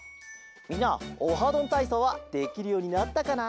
みんな「オハどんたいそう」はできるようになったかな？